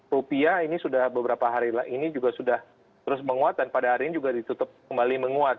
rupiah ini sudah beberapa hari ini juga sudah terus menguat dan pada hari ini juga ditutup kembali menguat